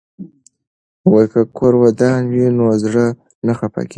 که کور ودان وي نو زړه نه خفه کیږي.